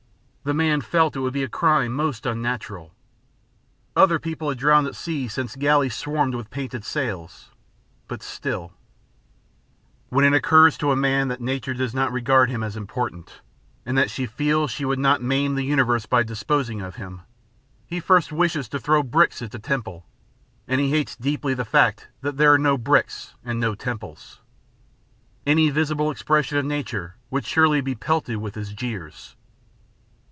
The man felt it would be a crime most unnatural. Other people had drowned at sea since galleys swarmed with painted sails, but still When it occurs to a man that nature does not regard him as important, and that she feels she would not maim the universe by disposing of him, he at first wishes to throw bricks at the temple, and he hates deeply the fact that there are no brick and no temples. Any visible expression of nature would surely be pelleted with his jeers.